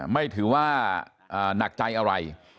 ไม่ถือว่าหนักใจอะไร